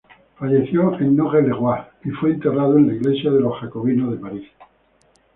Falleció en Nogent-le-Roi y fue enterrado en la iglesia de los Jacobinos de París.